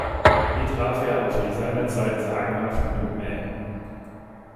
Hier traf er auf die seinerzeit sagenhaften Pygmäen.